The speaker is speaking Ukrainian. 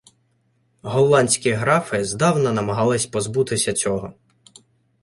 Голландські графи здавна намагались позбутися цього.